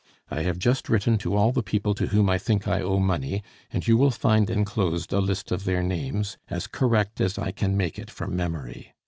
I have just written to all the people to whom I think I owe money, and you will find enclosed a list of their names, as correct as I can make it from memory.